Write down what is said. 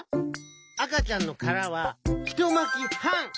あかちゃんのからはひとまきはん！